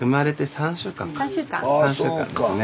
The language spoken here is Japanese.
３週間ですね。